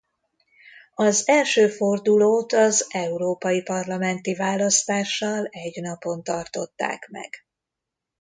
Az első fordulót az európai parlamenti választással egy napon tartották meg.